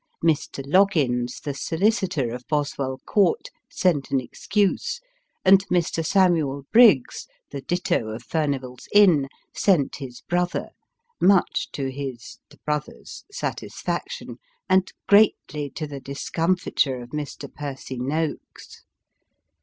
Mr. Loggins, the solicitor, of Boswell Court, sent an excuse, and Mr. Samuel Briggs, the ditto of Furnival's Inn, sent his brother : much to his (the brother's) satisfaction, and greatly to the discomfiture of Mr. Percy Noakes.